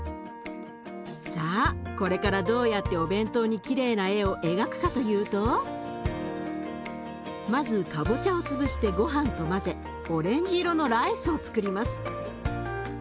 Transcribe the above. さあこれからどうやってお弁当にきれいな絵を描くかというとまずかぼちゃを潰してごはんと混ぜオレンジ色のライスをつくります。